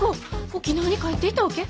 沖縄に帰っていたわけ？